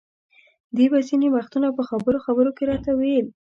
دې به ځینې وختونه په خبرو خبرو کې راته ویل.